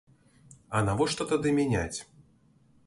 А навошта тады мяняць?